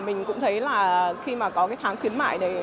mình cũng thấy là khi mà có cái tháng khuyến mại đấy